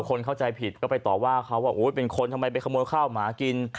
คนเข้าใจผิดก็ไปต่อว่าเขาว่าเป็นคนทำไมไปขโมยข้าวหมากิน